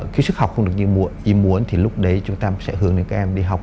cái sức học không được như muốn thì lúc đấy chúng ta sẽ hướng đến các em đi học